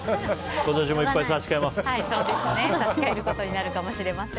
今年もいっぱい差し替えます。